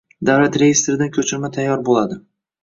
Davlat reyestiridan ko‘chirma tayyor bo‘ladi